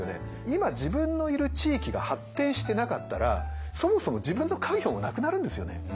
今自分のいる地域が発展してなかったらそもそも自分の家業もなくなるんですよね。